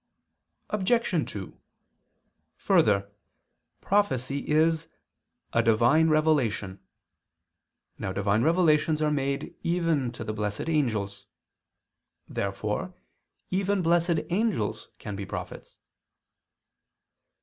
Obj. 2: Further, prophecy is a "divine revelation." Now divine revelations are made even to the blessed angels. Therefore even blessed angels can be prophets.